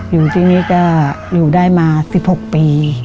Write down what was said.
อยู่ที่นี่ก็อยู่ได้มา๑๖ปี